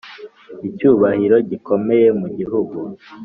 icyubahiro gikomeye mu gihugu,